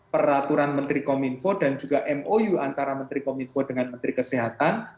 peraturan menteri kominfo dan juga mou antara menteri kominfo dengan menteri kesehatan